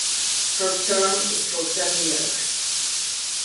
Her term is for ten years.